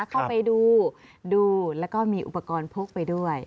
เข้าไปดูดูแล้วก็มีอุปกรณ์พกไปด้วย